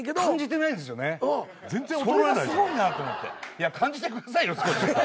いや感じてくださいよ少し。